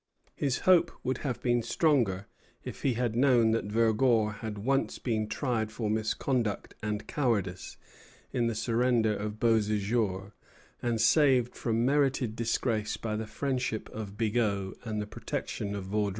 His hope would have been stronger if he had known that Vergor had once been tried for misconduct and cowardice in the surrender of Beauséjour, and saved from merited disgrace by the friendship of Bigot and the protection of Vaudreuil.